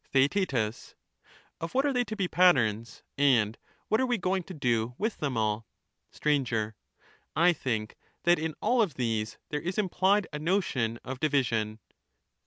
TheaeU Of what are they to be patterns, and what are we going to do with them all ? Str, I think that in all of these there is implied a notion of These af division.